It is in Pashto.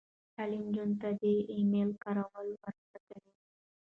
تعلیم نجونو ته د ای میل کارول ور زده کوي.